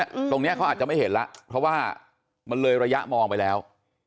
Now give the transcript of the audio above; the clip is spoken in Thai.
ตรงเนี้ยเขาอาจจะไม่เห็นแล้วเพราะว่ามันเลยระยะมองไปแล้ว